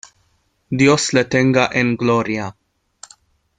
dios le tenga en Gloria.